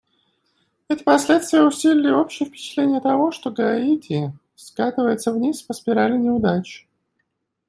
Эти последствия усилили общее впечатление того, что Гаити скатывается вниз по спирали неудач.